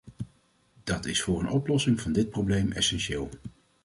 Dat is voor een oplossing van dit probleem essentieel.